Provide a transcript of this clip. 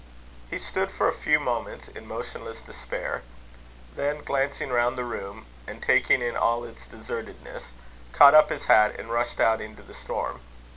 He stood for a few moments in motionless despair; then glancing round the room, and taking in all its desertedness, caught up his hat, and rushed out into the storm.